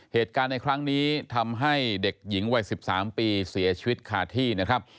เหตุการณ์ในครั้งนี้ทำให้เด็กหญิงวัย๑๓ปีเสียชีวิตคาที่นะครับ